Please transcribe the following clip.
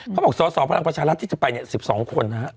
เขาบอกสสพลังประชารัฐที่จะไปเนี่ย๑๒คนนะฮะ